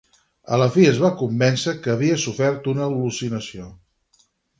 A la fi es va convèncer que havia sofert una al·lucinació.